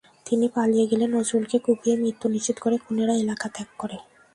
তিনি পালিয়ে গেলে নজরুলকে কুপিয়ে মৃত্যু নিশ্চিত করে খুনিরা এলাকা ত্যাগ করে।